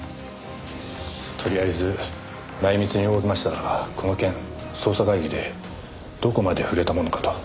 とりあえず内密に動きましたがこの件捜査会議でどこまで触れたものかと。